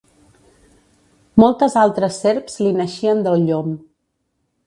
Moltes altres serps li naixien del llom.